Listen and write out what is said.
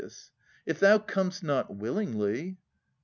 If thou com'st not willingly.